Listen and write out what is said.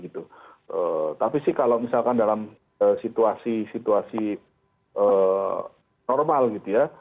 tapi sih kalau misalkan dalam situasi situasi normal gitu ya